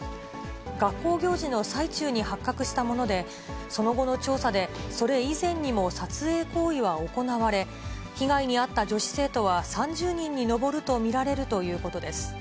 学校行事の最中に発覚したもので、その後の調査で、それ以前にも撮影行為は行われ、被害に遭った女子生徒は３０人に上ると見られるということです。